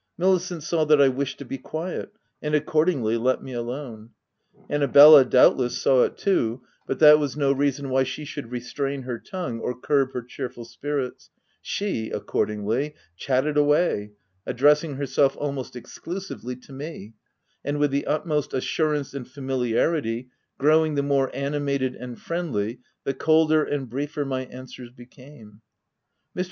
Milicent saw that I wished to be quiet, and accordingly let me alone. Annabella, doubtless, saw it too ; but OF WILDFELL HALL. 307 that was no reason why she should restrain her tongue, or curb her cheerful spirits : she ac cordingly chatted away, addressing herself al most exclusively to me, and with the utmost assurance and familiarity, growing the more animated and friendly, the colder and briefer my answers became. Mr.